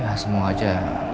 ya semua aja